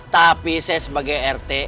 tapi saya sebagai rt